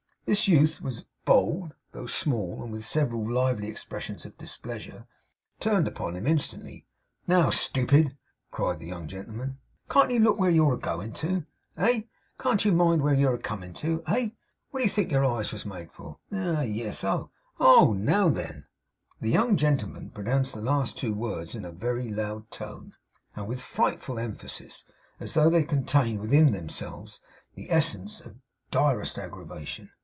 This youth was bold, though small, and with several lively expressions of displeasure, turned upon him instantly. 'Now, STOO PID!' cried the young gentleman. 'Can't you look where you're a going to eh? Can't you mind where you're a coming to eh? What do you think your eyes was made for eh? Ah! Yes. Oh! Now then!' The young gentleman pronounced the two last words in a very loud tone and with frightful emphasis, as though they contained within themselves the essence of the direst aggravation.